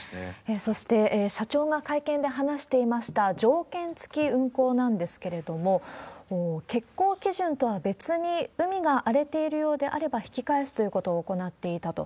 そして、社長が会見で話していました、条件付き運航なんですけれども、欠航基準とは別に、海が荒れているようであれば引き返すということを行っていたと。